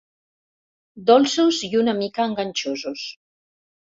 Dolços i una mica enganxosos.